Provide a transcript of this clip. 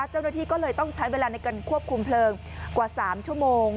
เจ้าหน้าที่ก็เลยต้องใช้เวลาในการควบคุมเพลิงกว่า๓ชั่วโมง